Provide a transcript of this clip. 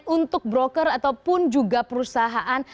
untuk broker ataupun juga perusahaan